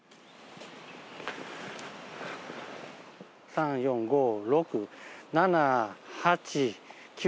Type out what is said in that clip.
３４５６７８９